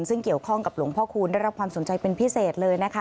ซึ่งเกี่ยวข้องกับหลวงพ่อคูณได้รับความสนใจเป็นพิเศษเลยนะคะ